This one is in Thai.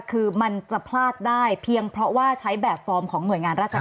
คือมันจะพลาดได้เพียงเพราะว่าใช้แบบฟอร์มของหน่วยงานราชการ